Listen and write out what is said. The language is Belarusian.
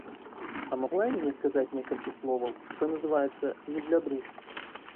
А магла і мне сказаць некалькі словаў, што называецца, не для друку.